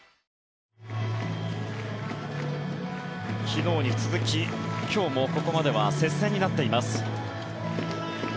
昨日に続き今日もここまでは接戦になっています。